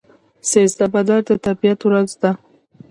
سیزده بدر د طبیعت ورځ ده.